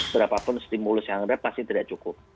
berapapun stimulus yang ada pasti tidak cukup